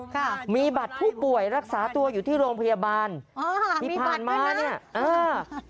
ค่ะมีบัตรผู้ป่วยรักษาตัวอยู่ที่โรงพยาบาลที่ผ่านมานี่อ๋อมีบัตรขึ้นนะ